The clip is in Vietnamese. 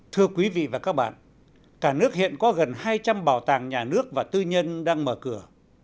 thưa quý vị và các bạn cả nước hiện có gần hai trăm linh bảo tàng nhà nước và tư nhân đang mở cửa